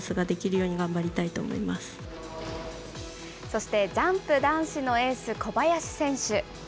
そして、ジャンプ男子のエース、小林選手。